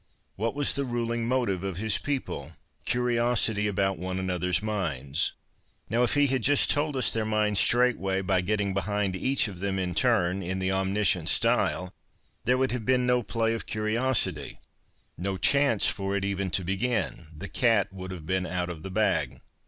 What was the ruling motive of his people ? Curiosity about one another's minds. Now, if he had just told us their minds, straightway, by ' getting behind ' each of them in turn, in the ' omniscient ' style, there would have been no play of curiosity, no chance for it even to begin, the cat would have been out of the bag.